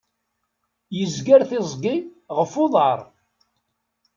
Yezger tiẓgi ɣef uḍar.